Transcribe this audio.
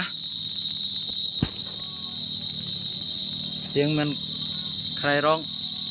เสียงมันใครร้อง